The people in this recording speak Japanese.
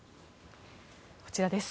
こちらです。